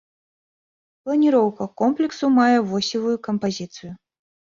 Планіроўка комплексу мае восевую кампазіцыю.